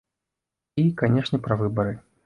І, канешне, пра выбары.